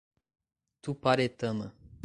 Tuparetama